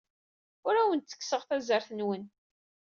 Ur awen-d-ttekkseɣ tazart-nwen.